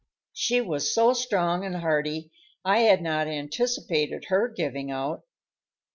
She was so strong and hardy, I had not anticipated her giving out.